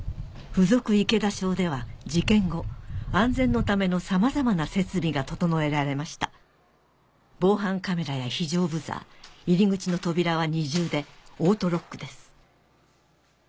附属池田小では事件後安全のためのさまざまな設備が整えられました防犯カメラや非常ブザー入り口の扉は二重でオートロックです